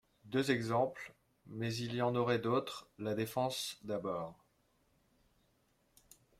Deux exemples, mais il y en aurait d’autres, la défense, d’abord.